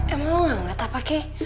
emang lu gak ngasih tau pak keh